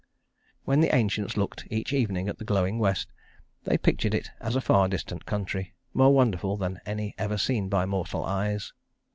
When the ancients looked each evening at the glowing west, they pictured it as a far distant country, more wonderful than any ever seen by mortal eyes.